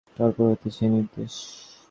তাহার পর হইতে সে নিরুদ্দেশ।